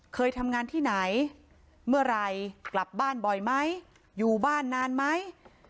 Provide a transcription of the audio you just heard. เคยทำงานที่ไหนเมื่อไหร่กลับบ้านบ่อยไหมอยู่บ้านนานไหม